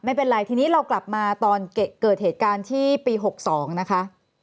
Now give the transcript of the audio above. ไม่เป็นไรทีนี้เรากลับมาตอนเกิดเหตุการณ์ที่ปี๖๒นะคะ